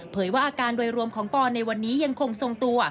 ว่าอาการโดยรวมของปอนในวันนี้ยังคงทรงตัว